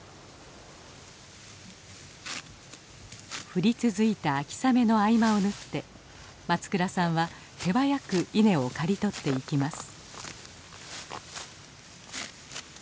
降り続いた秋雨の合間を縫って松倉さんは手早く稲を刈り取っていきます。